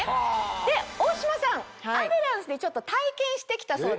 で大島さんアデランスでちょっと体験して来たそうで。